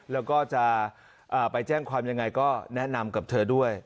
แล้วก็จะไปแจ้งความยังไงก็แนะนำกับเธอด้วย